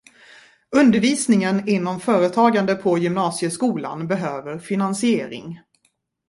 Undervisningen inom företagande på gymnasieskolan behöver finansiering.